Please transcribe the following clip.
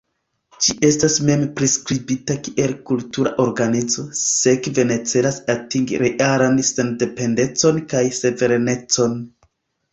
Ĝi estas mem-priskribita kiel kultura organizo, sekve ne celas atingi realan sendependecon kaj suverenecon.